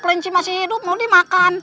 kelinci masih hidup mau dimakan